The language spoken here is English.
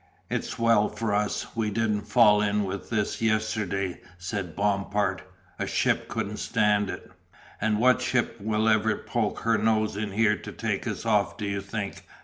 "It's well for us we didn't fall in with this yesterday," said Bompard "a ship couldn't stand it." "And what ship will ever poke her nose in here to take us off do you think?"